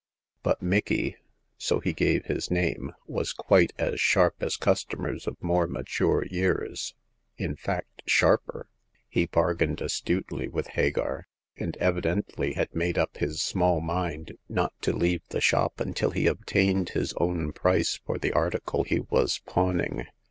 But Micky — so he gave his name — was quite as sharp as customers of more mature years — in fact, sharper. He bargained astutely with Hagar, and evidently had made up his small mind not to leave the shop until he obtained his own price for the article he was pawning.